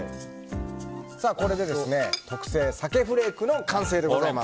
これで特製鮭フレークの完成でございます。